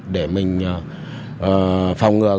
để mình phòng ngừa